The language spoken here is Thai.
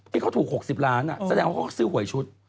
ที่เขาถูก๖๐ล้านแสดงว่าเขาก็ซื้อหวยชุด